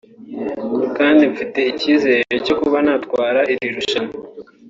kandi mfite icyizere cyo kuba natwara iri rushanwa